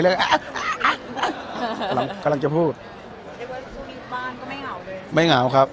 เรียกอ่ะอ่ะอ่ะกำลังจะพูดบ้านก็ไม่เหงาเลยไม่เหงาครับ